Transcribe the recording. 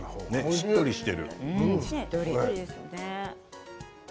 しっとりしてる。